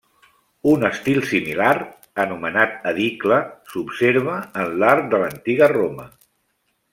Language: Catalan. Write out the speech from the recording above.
Un estil similar, anomenat edicle, s'observa en l'art de l'Antiga Roma.